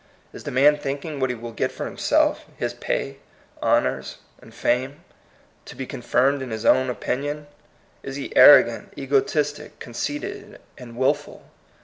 Is the man thinking what he will get for him self, — his pay, honors, and fame ; to be con firmed in his own opinion ? Is he arrogant, egotistic, conceited, and wilful?